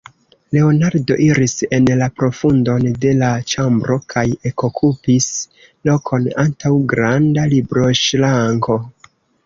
Leonardo iris en la profundon de la ĉambro kaj ekokupis lokon antaŭ granda libroŝranko.